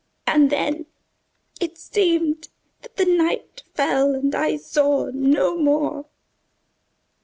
And then it seemed that the night fell and I saw no more...